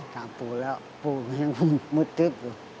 ถามปู่แล้วปู่มันแต๊บ